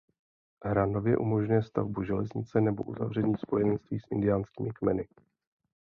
Hra nově umožňuje stavbu železnice nebo uzavření spojenectví s indiánskými kmeny.